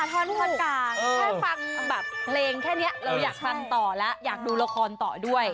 ท่อนกลางแค่ฟังแบบเพลงแค่นี้เราอยากฟังต่อแล้วอยากดูละครต่อด้วย